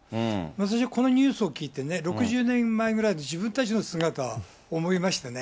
私、このニュースを聞いてね、６０年前ぐらいの自分たちの姿を思いましたね。